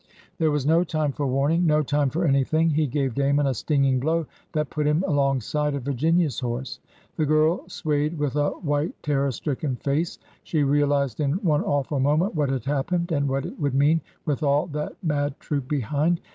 There was no time for warning— no time for anything. He gave Damon a stinging blow that put him alongside of Virginia's horse. The girl swayed with a white, terror stricken face. She realized in one awful moment what had happened, and what it would mean with all that mad troop behind.